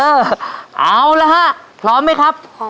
เอาละฮะพร้อมไหมครับ